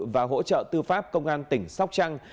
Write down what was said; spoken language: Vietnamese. và hỗ trợ tư pháp công an tỉnh sóc trăng